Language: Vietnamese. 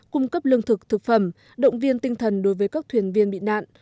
cung cấp lương thực thực phẩm động viên tinh thần đối với các thuyền viên bị nạn